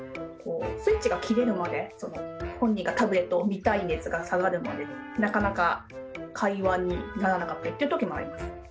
スイッチが切れるまで本人がタブレットを見たい熱が下がるまでなかなか会話にならなかったりっていう時もあります。